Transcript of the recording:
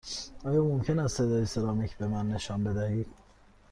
آیا ممکن است تعدادی سرامیک به من نشان بدهید؟